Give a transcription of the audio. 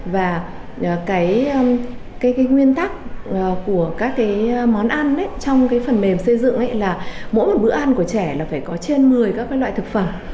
và cái nguyên tắc của các món ăn trong phần mềm xây dựng là mỗi một bữa ăn của trẻ là phải có trên một mươi các loại thực phẩm